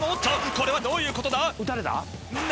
これはどういうことだ？